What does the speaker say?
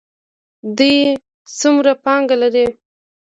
دوی څومره پانګه لري؟